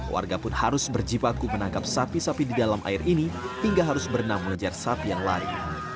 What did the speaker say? warga pun harus berjibaku menangkap sapi sapi di dalam air ini hingga harus berenang mengejar sapi yang lari